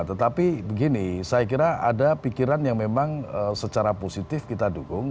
tetapi begini saya kira ada pikiran yang memang secara positif kita dukung